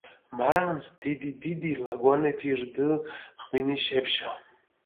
მარანს დიდი-დიდი ლაგვანეფი რდჷ ღვინიში ეფშა.